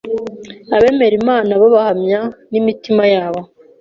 Abemera Imana bo bahamanya n’imitima yabo